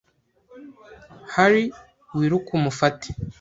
Harry, wiruke umufate. ”